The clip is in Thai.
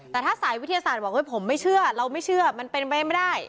แต่ถ้าสายวิทยาศาสตร์บอกผมไม่เชื่อเราไม่เชื่อมันเป็นไปไม่ได้